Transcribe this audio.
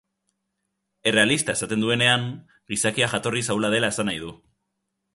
Errealista esaten duenean, gizakia jatorriz ahula dela esan nahi du.